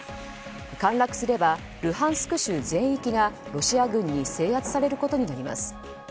陥落すれば、ルハンスク州全域がロシア軍に制圧されることになります。